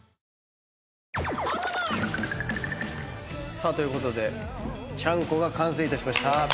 さあということでちゃんこが完成いたしました。